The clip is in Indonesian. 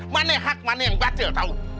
mana yang hak mana yang batil tahu